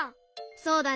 そうだね。